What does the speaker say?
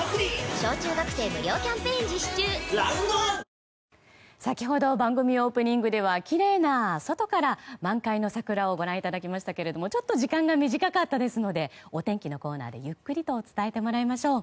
東京海上日動先ほど番組オープニングではきれいな外から満開の桜をご覧いただきましたがちょっと時間が短かったですのでお天気のコーナーでゆっくりと伝えてもらいましょう。